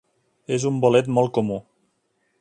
És un bolet molt comú.